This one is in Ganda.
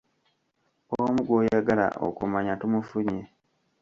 Omu gw'oyagala okumanya tumufunye.